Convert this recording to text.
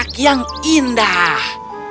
merah yang indah